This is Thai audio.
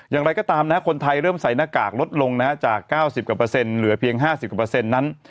อย่างไรก็ตามนะคนไทยเริ่มใส่หน้ากากลดลงนะฮะจาก๙๐กว่าเปอร์เซ็นเหลือเพียง๕๐กว่าเปอร์เซ็นต์นั้น